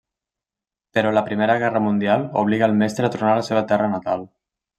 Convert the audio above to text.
Però la Primera Guerra Mundial obliga al mestre a tornar a la seva terra natal.